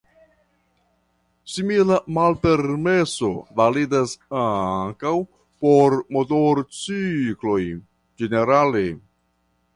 Simila malpermeso validas ankaŭ por motorcikloj ĝenerale.